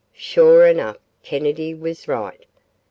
Sure enough, Kennedy was right.